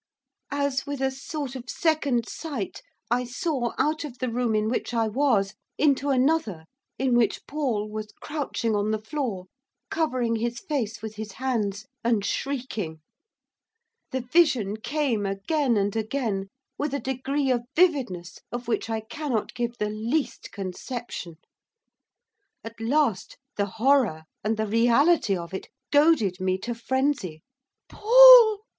As with a sort of second sight, I saw out of the room in which I was, into another, in which Paul was crouching on the floor, covering his face with his hands, and shrieking. The vision came again and again with a degree of vividness of which I cannot give the least conception. At last the horror, and the reality of it, goaded me to frenzy. 'Paul!